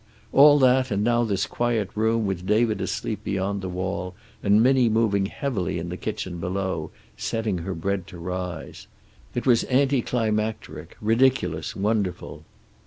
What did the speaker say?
All that, and now this quiet room, with David asleep beyond the wall and Minnie moving heavily in the kitchen below, setting her bread to rise. It was anti climacteric, ridiculous, wonderful.